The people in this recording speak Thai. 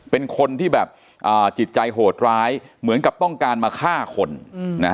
เป็นคนที่แบบอ่าจิตใจโหดร้ายเหมือนกับต้องการมาฆ่าคนนะฮะ